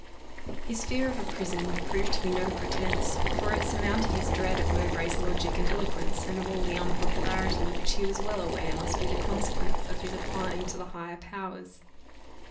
His fear of a prison proved to be no pretence, for it surmounted his dread of Mowbray's logic and eloquence, and of all the unpopularity which he was well aware must be the consequence of his applying to the higher powers.